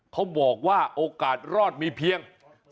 เขาบอกว่าโอกาสรอดมีเพียง